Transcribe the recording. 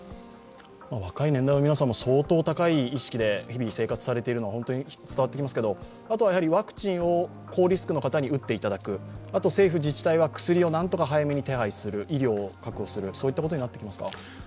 若い年代の皆さんも相当高い意識で日々生活されているのは本当に伝わってきますけれどもあとはワクチンを高リスクの方に打っていただく、あと政府自治体は薬を何とか手配する、医療を確保する、そういったことになってきますか。